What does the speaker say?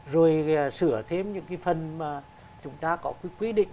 rồi sửa thêm những cái phần mà chúng ta có cái quy định